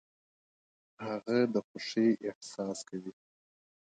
هغه د خوښۍ احساس کوي .